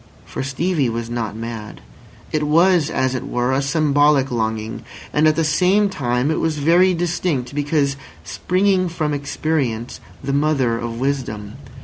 For Stevie was not mad. It was, as it were, a symbolic longing; and at the same time it was very distinct, because springing from experience, the mother of wisdom.